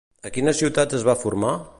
A quines ciutats es va formar?